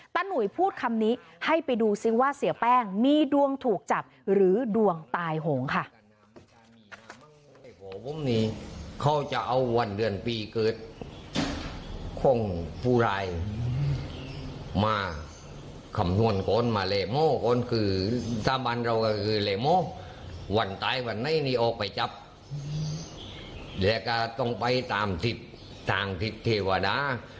หนุ่ยพูดคำนี้ให้ไปดูซิว่าเสียแป้งมีดวงถูกจับหรือดวงตายโหงค่ะ